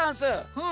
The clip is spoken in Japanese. うん。